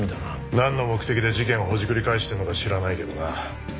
なんの目的で事件をほじくり返してるのか知らないけどな。